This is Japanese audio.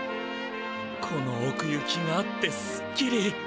このおくゆきがあってスッキリ。